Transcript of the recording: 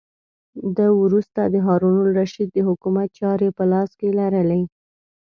ده وروسته د هارون الرشید د حکومت چارې په لاس کې لرلې.